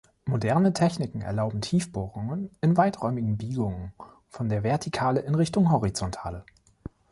Moderne Techniken erlauben Tiefbohrungen in weiträumigen Biegungen von der Vertikale in Richtung Horizontale.